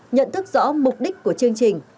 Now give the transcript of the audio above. nhận thức rõ mục đích của chương trình